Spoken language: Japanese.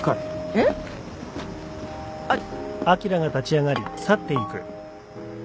えっ？あっ。